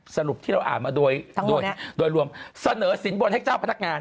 สรุปที่เราอ่านมาโดยรวมเสนอสินบนให้เจ้าพนักงาน